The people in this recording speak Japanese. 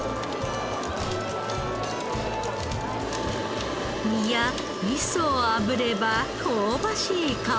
身やミソをあぶれば香ばしい香り。